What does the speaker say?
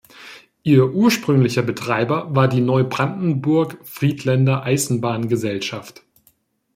Ihr ursprünglicher Betreiber war die "Neubrandenburg-Friedländer Eisenbahn-Gesellschaft".